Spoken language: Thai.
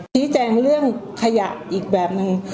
ชี้แจงเรื่องขยะอีกแบบนึง